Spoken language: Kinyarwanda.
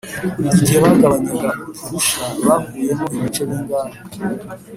“igihe bagabanyaga purusha bakuyemo ibice bingahe?